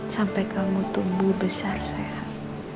sampai kamu tumbuh besar sehat